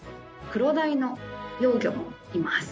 クロダイの幼魚もいます。